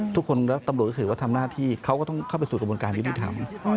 ทุกคนและตำรวจก็คือว่าทำหน้าที่เขาก็ต้องเข้าไปสู่กระบวนการยุติธรรม